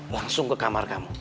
langsung ke kamar kamu